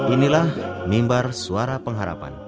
inilah mimbar suara pengharapan